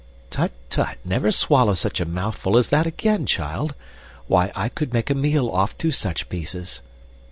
Tut! tut! Never swallow such a mouthful as that again, child. Why, I could make a meal off two such pieces.